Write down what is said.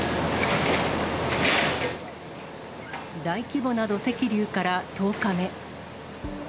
大規模な土石流から１０日目。